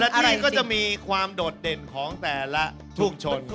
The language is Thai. และที่นี่ก็จะมีความโดดเด่นของแต่ละทุ่งชน